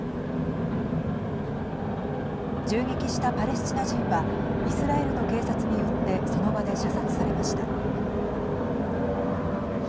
銃撃したパレスチナ人はイスラエルの警察によってその場で射殺されました。